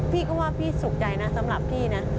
พี่ก็ว่าพี่สุขใจนะสำหรับพี่นะ